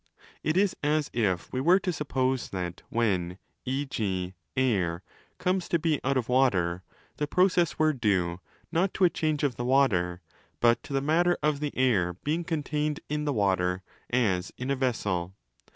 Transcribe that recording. It is as if we were to suppose that when, e.g., air comes to be out of water the process were due not to a change of the water, but to the matter of the air being 'contained in' the water as ina vessel.